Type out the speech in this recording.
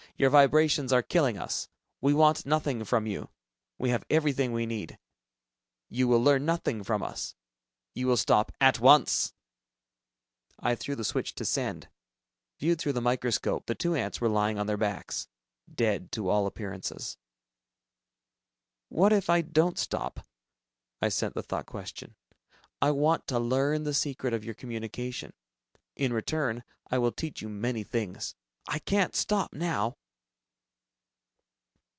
Your vibrations are killing us. We want nothing from you. We have everything we need. You will learn nothing from us. You will stop at once!" I threw the switch to "send." Viewed through the microscope, the two ants were lying on their backs ... dead, to all appearances. "What if I don't stop?" I sent the thought question, "I want to learn the secret of your communication. In return, I will teach you many things. I can't stop now!"